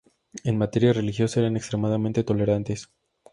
En materia religiosa eran extremadamente tolerantes.